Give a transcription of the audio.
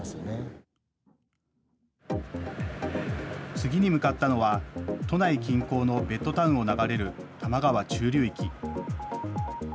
次に向かったのは都内近郊のベッドタウンを流れる多摩川中流域。